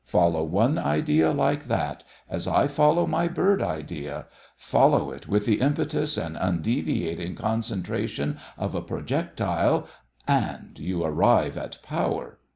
Follow one idea like that, as I follow my bird idea follow it with the impetus and undeviating concentration of a projectile and you arrive at power.